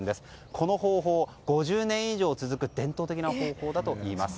この方法、５０年以上続く伝統的な方法だといいます。